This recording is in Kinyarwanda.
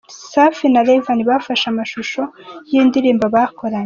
Safi na Rayvanny bafashe amashusho y’indirimbo bakoranye.